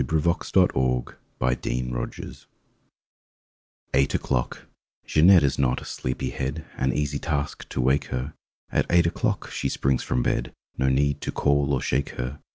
1 A PARIS PAIR A PARIS PAIR EIGHT O'CLOCK J EANETTE is not a sleepy head; An easy task, to wake her! At eight o'clock she springs from bed No need to call or shake her.